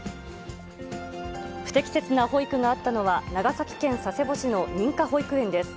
不適切な保育があったのは、長崎県佐世保市の認可保育園です。